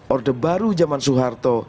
orde baru zaman soeharto